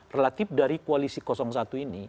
relatif dari koalisi satu ini